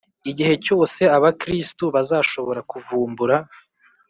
igihe cyose abakristu bazashobora kuvumbura